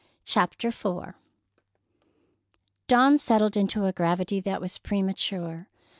CHAPTER IV Dawn settled into a gravity that was premature.